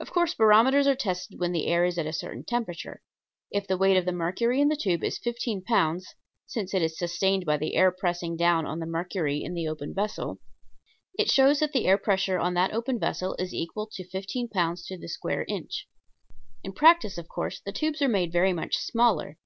Of course barometers are tested when the air is at a certain temperature. If the weight of mercury in the tube is fifteen pounds, since it is sustained by the air pressing down on the mercury in the open vessel, it shows that the air pressure on that open vessel is equal to fifteen pounds to the square inch. In practice, of course, the tubes are made very much smaller.